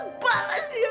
kita harus balas ya